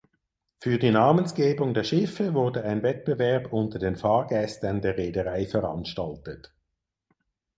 Für die Namensgebung der Schiffe wurde ein Wettbewerb unter den Fahrgästen der Reederei veranstaltet.